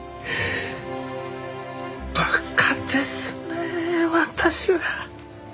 馬鹿ですね私は。